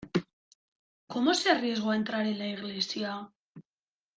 ¿ cómo se arriesgó a entrar en la iglesia?